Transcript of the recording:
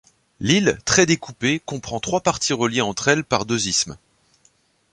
L'île, très découpée, comprend trois parties reliées entre elles par deux isthmes.